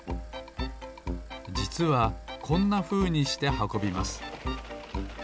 じつはこんなふうにしてはこびます